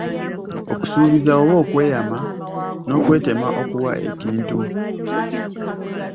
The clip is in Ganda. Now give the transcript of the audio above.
Okusuubiza oba okweyama n'okwetema okuwa ekintu.